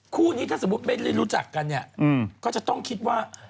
คู่นี้ถ้าสมมุติไม่ได้รู้จักกันเนี่ยก็จะต้องคิดว่า